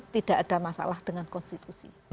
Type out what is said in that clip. tidak ada masalah dengan konstitusi